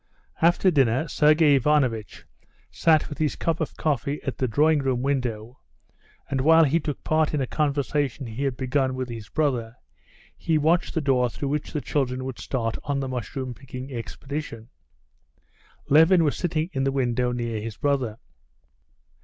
After dinner Sergey Ivanovitch sat with his cup of coffee at the drawing room window, and while he took part in a conversation he had begun with his brother, he watched the door through which the children would start on the mushroom picking expedition. Levin was sitting in the window near his brother.